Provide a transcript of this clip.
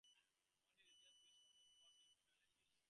On his religious views, Schwartz called himself an atheist.